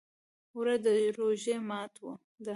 اوړه د روژې ماته ده